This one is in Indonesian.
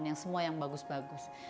yang semua yang bagus bagus